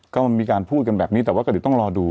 ก็มีการพูดกันแบบนี้แต่ว่าก็เดี๋ยวต้องรอดู